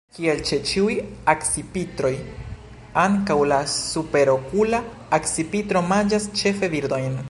Kiel ĉe ĉiuj akcipitroj, ankaŭ la Superokula akcipitro manĝas ĉefe birdojn.